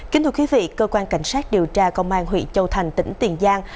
kính thưa quý vị cơ quan cảnh sát điều tra công an huyện châu thành tỉnh tiền giang